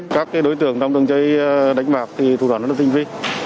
các đối tượng trong đường dây đánh bạc thì thủ đoàn đã tinh vi